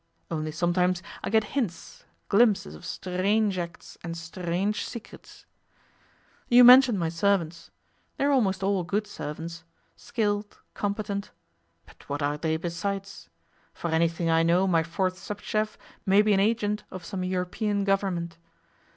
Only sometimes I get hints, glimpses of strange acts and strange secrets. You mentioned my servants. They are almost all good servants, skilled, competent. But what are they besides? For anything I know my fourth sub chef may be an agent of some European Government.